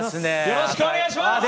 よろしくお願いします！